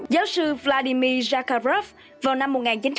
giáo sư vladimir zakharov vào năm một nghìn chín trăm tám mươi tám